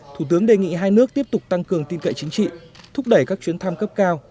thủ tướng đề nghị hai nước tiếp tục tăng cường tin cậy chính trị thúc đẩy các chuyến thăm cấp cao